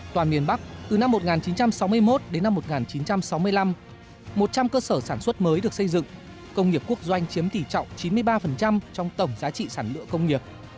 toàn miền bắc từ năm một nghìn chín trăm sáu mươi một đến năm một nghìn chín trăm sáu mươi năm một trăm linh cơ sở sản xuất mới được xây dựng công nghiệp quốc doanh chiếm tỷ trọng chín mươi ba trong tổng giá trị sản lựa công nghiệp